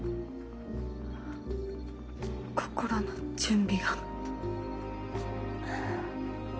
心の準備が。